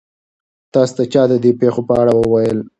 تاسو ته چا د دې پېښو په اړه وویل؟